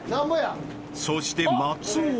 ［そして松尾は］